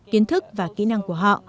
kiến thức và kỹ năng của họ